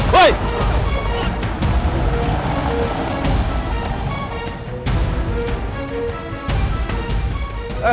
woy jangan kabur